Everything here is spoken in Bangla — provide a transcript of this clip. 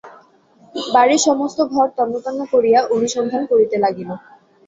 বাড়ির সমস্ত ঘর তন্ন তন্ন করিয়া অনুসন্ধান করিতে লাগিল।